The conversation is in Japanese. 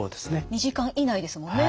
２時間以内ですもんね。